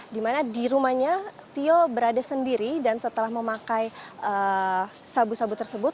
di mana di rumahnya tio berada sendiri dan setelah memakai sabu sabu tersebut